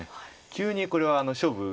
急にこれは勝負が。